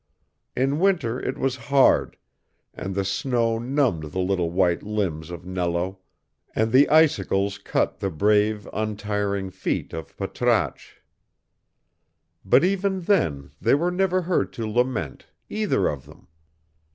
In winter it was hard, and the snow numbed the little white limbs of Nello, and the icicles cut the brave, untiring feet of Patrasche. But even then they were never heard to lament, either of them.